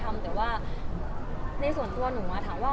แต่ว่าในส่วนตัวหนูถามว่า